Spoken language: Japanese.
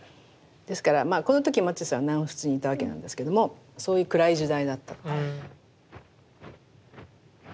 ですからまあこの時マティスは南仏にいたわけなんですけどもそういう暗い時代だった。